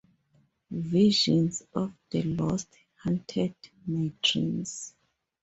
Visions of the lost haunted my dreams.